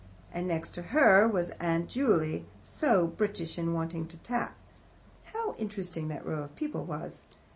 And next to her was Aunt Juley, so British, and wanting to tap. How interesting that row of people was!